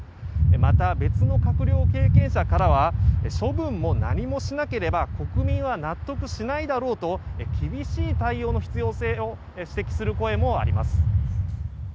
また別の閣僚経験者からは処分も何もしなければ国民は納得しないだろうと厳しい対応の必要性を指摘する声もあります。